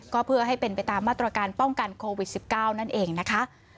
ก็เพื่อให้เป็นไปตามมาตรการป้องกันโควิด๑๙นั่นเองนะคะ